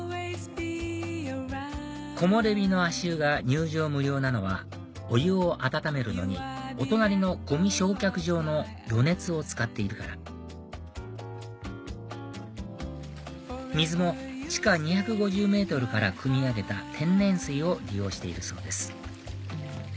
こもれびの足湯が入場無料なのはお湯を温めるのにお隣のゴミ焼却場の余熱を使っているから水も地下２５０ｍからくみ上げた天然水を利用しているそうです